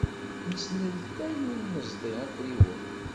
Nesneltay ur d-neẓḍi afriwen.